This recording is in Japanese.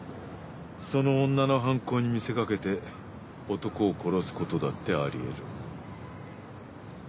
その女の犯行に見せかけて男を殺すことだってありえる。